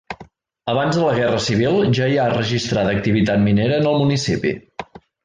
Abans de la Guerra Civil ja hi ha registrada activitat minera en el municipi.